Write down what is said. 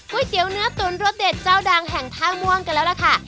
เตี๋ยวเนื้อตุ๋นรสเด็ดเจ้าดังแห่งท่าม่วงกันแล้วล่ะค่ะ